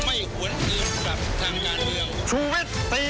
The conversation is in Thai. ไม่หวนอื่นกับทางงานเดียว